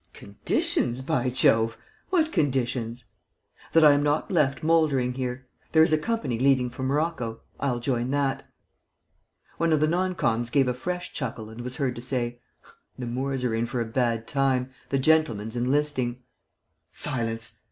"Conditions, by Jove! What conditions?" "That I am not left mouldering here. There is a company leaving for Morocco. I'll join that." One of the non coms gave a fresh chuckle and was heard to say: "The Moors are in for a bad time. The gentleman's enlisting." "Silence!"